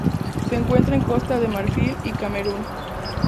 Se encuentra en Costa de Marfil y Camerún.